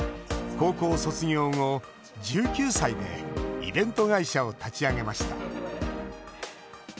高校卒業後、１９歳でイベント会社を立ち上げました。